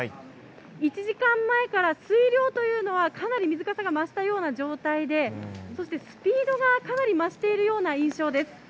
１時間前から水量というのは、かなり水かさが増したような状態で、そしてスピードがかなり増しているような印象です。